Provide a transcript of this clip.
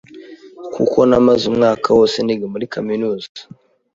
kuko namaze umwaka wose niga muri kaminuza